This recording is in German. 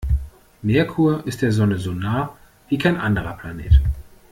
Merkur ist der Sonne so nah wie kein anderer Planet.